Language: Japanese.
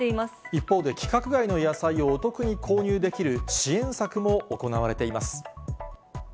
一方で規格外の野菜をお得に購入できる支援策も行われています。